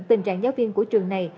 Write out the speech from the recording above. tình trạng giáo viên của trường này